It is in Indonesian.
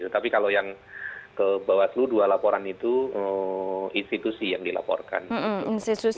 tapi kalau yang ke bawaslu dua laporan itu institusi yang dilaporkan